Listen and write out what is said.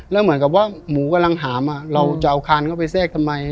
แล้วเหมือนกับว่าหมูกำลังหามเราจะเอาคานเข้าไปแทรกทำไม